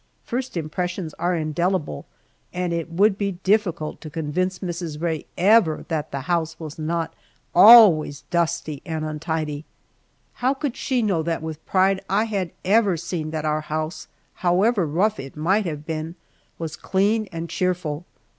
First impressions are indelible, and it would be difficult to convince Mrs. Rae ever that the house was not always dusty and untidy. How could she know that with pride I had ever seen that our house, however rough it might have been, was clean and cheerful.